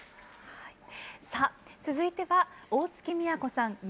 さあ続いては大月みやこさん